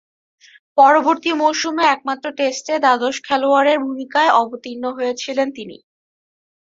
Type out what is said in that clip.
পরবর্তী মৌসুমে একমাত্র টেস্টে দ্বাদশ খেলোয়াড়ের ভূমিকায় অবতীর্ণ হয়েছিলেন তিনি।